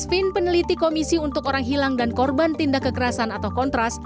asvin peneliti komisi untuk orang hilang dan korban tindak kekerasan atau kontras